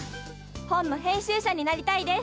本の編集者になりたいです。